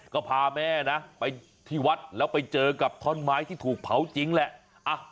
ก็พาแม่นะไปที่วัดแล้วไปเจอกับท่อนไม้ที่ถูกเผาจริงแหละ